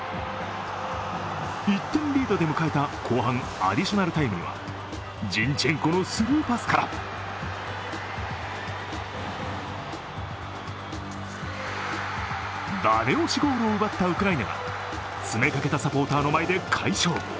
１点リードで迎えた後半アディショナルタイムにはジンチェンコのスルーパスからだめ押しゴールを奪ったウクライナが詰めかけたサポーターの前で快勝。